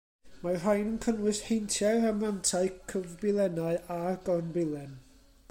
Mae'r rhain yn cynnwys heintiau'r amrantau, cyfbilennau, a'r gornbilen.